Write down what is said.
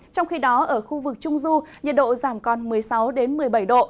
trong khi đó ở khu vực trung du nhiệt độ giảm còn một mươi sáu một mươi bảy độ